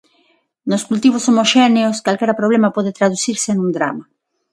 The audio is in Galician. Nos cultivos homoxéneos, calquera problema pode traducirse nun drama.